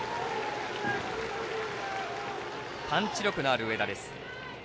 パンチ力のある上田です。